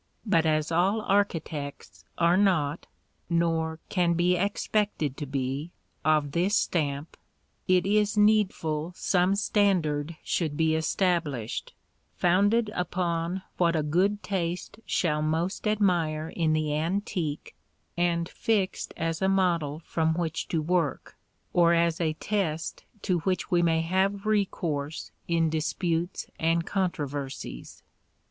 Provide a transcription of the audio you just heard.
but as all architects are not, nor can be expected to be, of this stamp, it is needful some standard should be established, founded upon what a good taste shall most admire in the antique, and fixed as a model from which to work, or as a test to which we may have recourse in disputes and controversies."